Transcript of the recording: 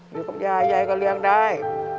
อยู่กับยายยายก็เรียงได้